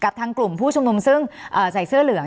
ทางกลุ่มผู้ชุมนุมซึ่งใส่เสื้อเหลือง